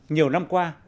nhiều năm qua